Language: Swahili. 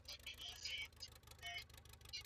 aifa hilo hapo jana mwandishi wetu zuhra mwera